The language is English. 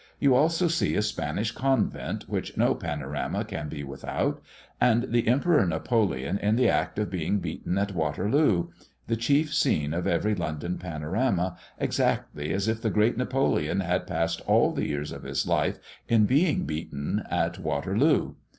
You also see a Spanish convent, which no panorama can be without; and the Emperor Napoleon in the act of being beaten at Waterloo the chief scene of every London panorama, exactly as if the great Napoleon had passed all the years of his life in being beaten at Waterloo.